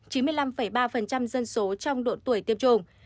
chiếm tỷ lệ chín mươi năm ba dân số trong độ tuổi tiêm chủng